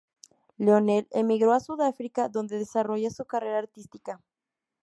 Leonel emigró a Sudáfrica, donde desarrolla su carrera artística.